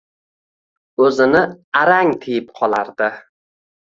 o’zini arang tiyib qolardi.